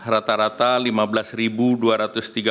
rata rata ini juga mengalami kenaikan